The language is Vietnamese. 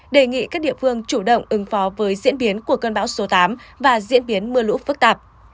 đề nghị các địa phương chủ động ứng phó với diễn biến của cơn bão số tám và diễn biến mưa lũ phức tạp